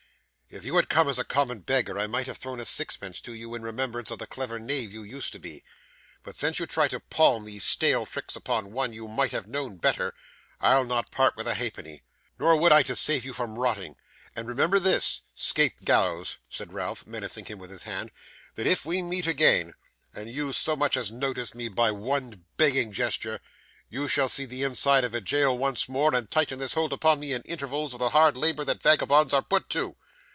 If you had come as a common beggar, I might have thrown a sixpence to you in remembrance of the clever knave you used to be; but since you try to palm these stale tricks upon one you might have known better, I'll not part with a halfpenny nor would I to save you from rotting. And remember this, 'scape gallows,' said Ralph, menacing him with his hand, 'that if we meet again, and you so much as notice me by one begging gesture, you shall see the inside of a jail once more, and tighten this hold upon me in intervals of the hard labour that vagabonds are put to.